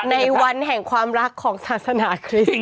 ในวันแห่งความรักของศาสนาคริสต์